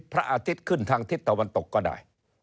พระอาทิตย์ขึ้นทางทิศตะวันตกก็ได้